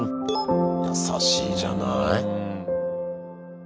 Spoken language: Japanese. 優しいじゃない。